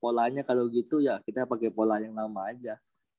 polanya kalau gitu ya kita pakai pola yang lama aja